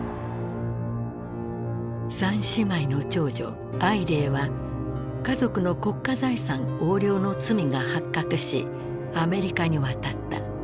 三姉妹の長女靄齢は家族の国家財産横領の罪が発覚しアメリカに渡った。